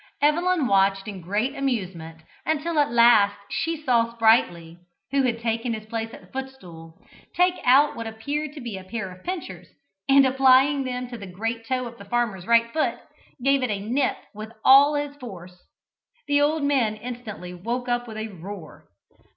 Evelyn watched in great amusement, until at last she saw Sprightly, who had taken his place at the footstool, take out what appeared to be a pair of pincers, and, applying them to the great toe of the farmer's right foot, give it a nip with all his force. The old man instantly woke up with a roar.